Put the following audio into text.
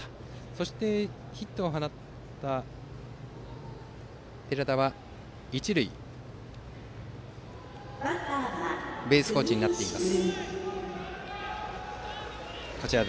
そしてヒットを放った寺田は一塁ベースコーチになっています。